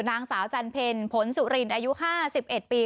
นางสาวจันเพ็ญผลสุรินอายุ๕๑ปี